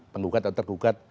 penggugat atau tergugat